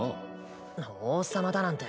王様だなんて。